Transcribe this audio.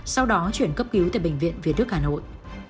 sau đó chuyển cấp cứu tại bệnh viện việt đức hà nội